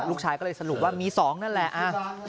ลูกชายก็เลยสรุปว่ามี๒นั่นแหละ